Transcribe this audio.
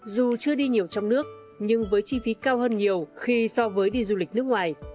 dù chưa đi nhiều trong nước nhưng với chi phí cao hơn nhiều khi so với đi du lịch nước ngoài